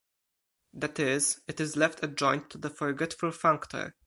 That is, it is left adjoint to the forgetful functor.